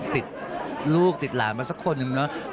ติดลูกติดหลานมาสักคนหนึ่งเนาะ